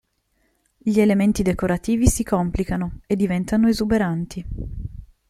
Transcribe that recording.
Gil elementi decorativi si complicano e diventano esuberanti.